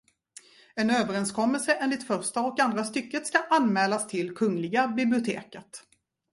En överenskommelse enligt första och andra stycket ska anmälas till Kungliga biblioteket.